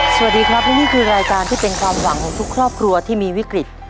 สวัสดีครับและนี่คือรายการที่เป็นความหวังของทุกครอบครัวที่มีวิกฤต